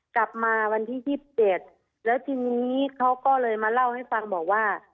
กลับมาวันที่๒๗แล้วทีนี้เขาก็เลยมาเล่าให้ฟังบอกว่า